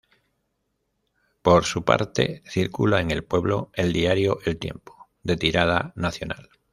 Por su parte, circula en el pueblo el diario El Tiempo, de tirada nacional.